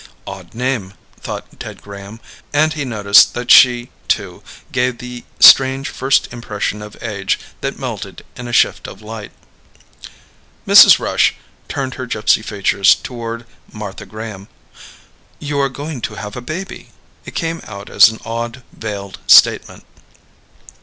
Odd name, thought Ted Graham. And he noticed that she, too, gave that strange first impression of age that melted in a shift of light. Mrs. Rush turned her gypsy features toward Martha Graham. "You are going to have a baby?" It came out as an odd, veiled statement.